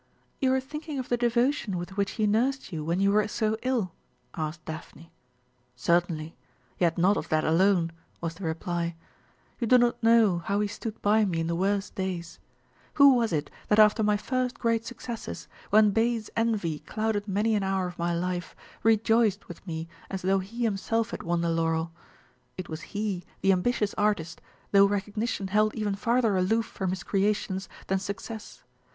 "You are thinking of the devotion with which he nursed you when you were so ill?" asked Daphne. "Certainly; yet not of that alone," was the reply. "You do not know how he stood by me in the worst days. Who was it that after my first great successes, when base envy clouded many an hour of my life, rejoiced with me as though he himself had won the laurel? It was he, the ambitious artist, though recognition held even farther aloof from his creations than success.